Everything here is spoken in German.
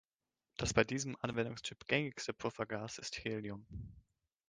Das bei diesem Anwendungstyp gängigste Puffergas ist Helium.